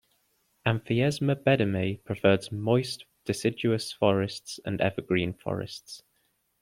"Amphiesma beddomei" prefers moist deciduous forests and evergreen forests.